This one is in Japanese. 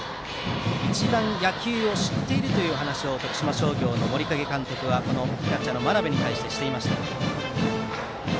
一番野球を知っているという話を徳島商業の森影監督はキャッチャーの真鍋に対してしていました。